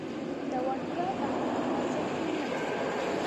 دا وړتیا د خلاقیت سرچینه ده.